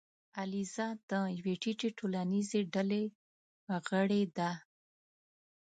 الیزا د یوې ټیټې ټولنیزې ډلې غړې ده.